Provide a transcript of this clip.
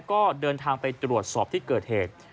ก็เดินทางไปตรวจสอบที่เกิดเหตุ